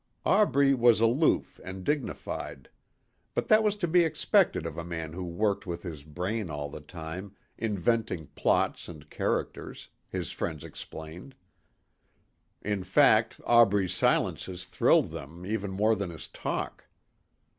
Aubrey was aloof and dignified. But that was to be expected of a man who worked with his brain all the time, inventing plots and characters his friends explained. In fact Aubrey's silences thrilled them even more than his talk.